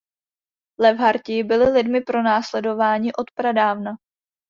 Levharti byli lidmi pronásledováni od pradávna.